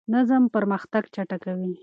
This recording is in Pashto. نظم پرمختګ چټکوي.